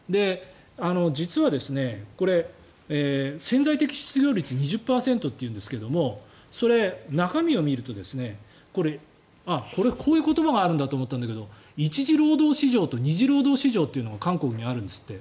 実は、潜在的失業率が２０％というんですがそれ、中身を見るとこれはこういう言葉があるんだと思ったんだけど１次労働市場と２次労働市場というのが韓国にあるんですって。